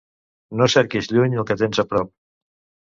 No cerquis lluny el que tens a prop.